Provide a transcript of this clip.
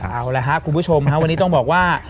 เออเอาละฮะคุณผู้ชมวันนี้ต้องบอกว่า